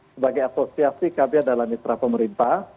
sebagai asosiasi kami adalah mitra pemerintah